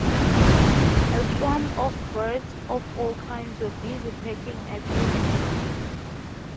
A swarm of birds of all kinds were busy pecking at it.